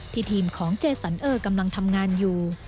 ทีมของเจสันเออร์กำลังทำงานอยู่